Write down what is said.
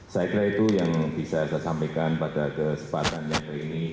saya kira itu yang bisa saya sampaikan pada kesempatan yang hari ini